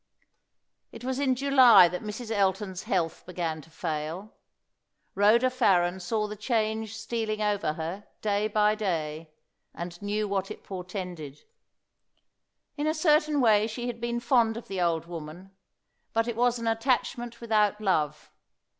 It was in July that Mrs. Elton's health began to fail. Rhoda Farren saw the change stealing over her day by day, and knew what it portended. In a certain way she had been fond of the old woman; but it was an attachment without love.